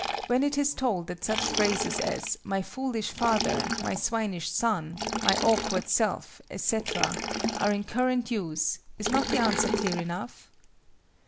When it is told that such phrases as "my foolish father," "my swinish son," "my awkward self," etc., are in current use, is not the answer clear enough?